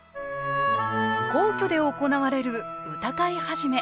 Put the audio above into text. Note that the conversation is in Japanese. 皇居で行われる歌会始。